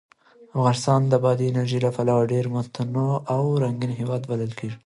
افغانستان د بادي انرژي له پلوه یو ډېر متنوع او رنګین هېواد بلل کېږي.